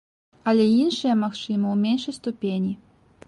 Але іншыя, магчыма, у меншай ступені.